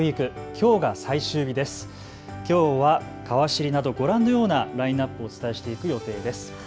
きょうはかわ知りなどご覧のようなラインナップでお伝えしていく予定です。